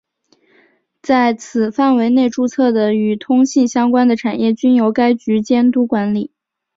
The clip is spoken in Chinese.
在此范围内注册的与通信相关的产业均由该局监督管理。